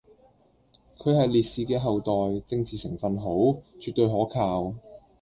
佢係烈士嘅後代，政治成份好，絕對可靠